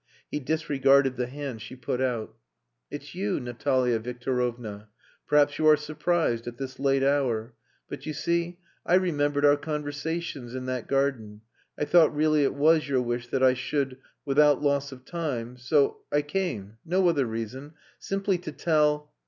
He disregarded the hand she put out. "It's you, Natalia Victorovna.... Perhaps you are surprised...at this late hour. But, you see, I remembered our conversations in that garden. I thought really it was your wish that I should without loss of time...so I came. No other reason. Simply to tell..."